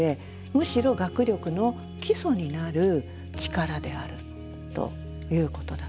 むしろ学力の基礎になる力であるということだとか。